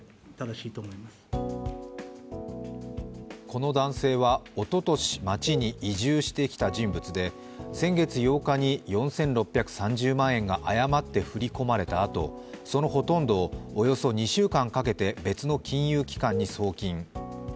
この男性はおととし町に移住してきた人物で先月８日に４６３０万円が誤って振り込まれたあと、そのほとんどをおよそ２週間かけて別の金融機関に送金。